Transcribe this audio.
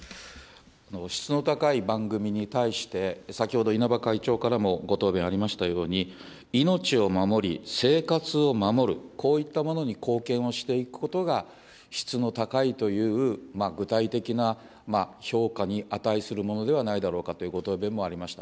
質の高い番組に対して、先ほど稲葉会長からもご答弁ありましたように、命を守り、生活を守る、こういったものに貢献をしていくことが、質の高いという具体的な評価に値するものではないだろうかというご答弁もありました。